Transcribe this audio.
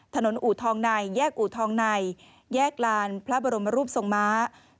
อูทองในแยกอูทองในแยกลานพระบรมรูปทรงม้า